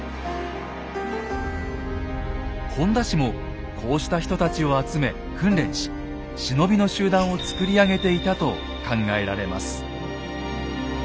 本田氏もこうした人たちを集め訓練し忍びの集団をつくり上げていたと考えられます。